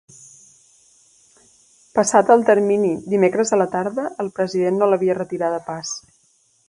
Passat el termini, dimecres a la tarda, el president no l’havia retirada pas.